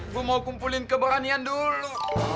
gue mau kumpulin keberanian dulu